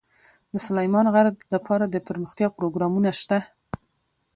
د سلیمان غر لپاره دپرمختیا پروګرامونه شته.